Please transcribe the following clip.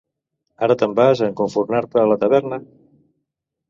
Ara te'n vas a encofurnar-te a la taverna?